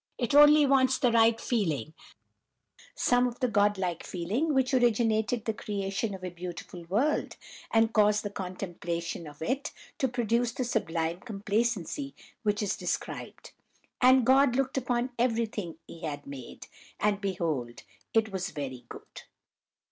"It only wants the right feeling; some of the good God like feeling which originated the creation of a beautiful world, and caused the contemplation of it to produce the sublime complacency which is described, 'And God looked upon everything that He had made, and behold it was very good.